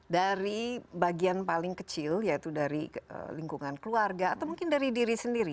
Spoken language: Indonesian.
dari bagian paling kecil yaitu dari lingkungan keluarga atau mungkin dari diri sendiri